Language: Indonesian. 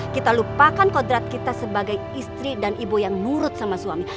kita lupakan kodrat kita sebagai istri dan ibu yang nurut sama suami